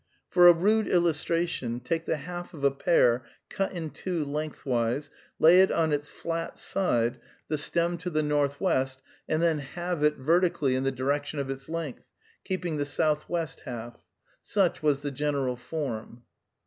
For a rude illustration, take the half of a pear cut in two lengthwise, lay it on its flat side, the stem to the northwest, and then halve it vertically in the direction of its length, keeping the southwest half. Such was the general form.